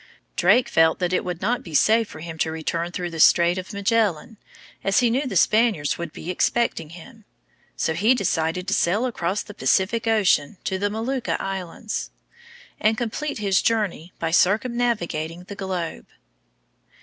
Drake felt that it would not be safe for him to return through the Strait of Magellan, as he knew the Spaniards would be expecting him. So he decided to sail across the Pacific Ocean to the Molucca Islands, and complete his journey by circumnavigating the globe.